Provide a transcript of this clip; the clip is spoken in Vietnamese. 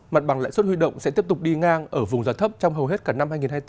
mặt bằng lãi suất huy động sẽ tiếp tục đi ngang ở vùng giá thấp trong hầu hết cả năm hai nghìn hai mươi bốn